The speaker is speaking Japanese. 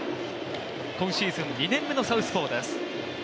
今シーズン、２年目のサウスポーです。